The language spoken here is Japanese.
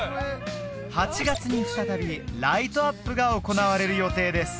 ８月に再びライトアップが行われる予定です